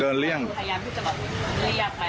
เดินเลี่ยงพยายามที่จะแบบเลี่ยงไปแล้วเขาก็แบบ